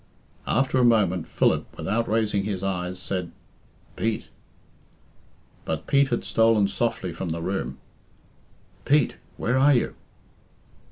After a moment, Philip, without raising his eyes, said, "Pete!" But Pete had stolen softly from the room. "Pete! where are you?"